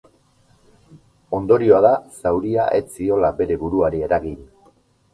Ondorioa da zauria ez ziola bere buruari eragin.